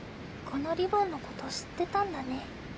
このリボンの事知ってたんだね。